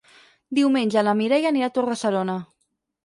Diumenge na Mireia anirà a Torre-serona.